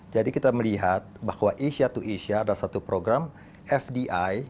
jadi kita melihat bahwa asia to asia adalah satu program fdi